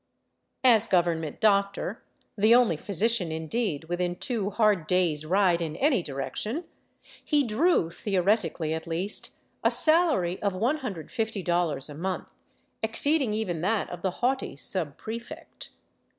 As government doctor, the only physician, indeed, within two hard days' ride in any direction, he drew — theoretically, at least — a salary of $150 a month, exceeding even that of the haughty subprefect.